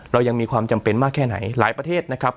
เรายังมีความจำเป็นมากแค่ไหนหลายประเทศนะครับ